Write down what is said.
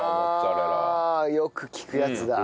ああよく聞くやつだ。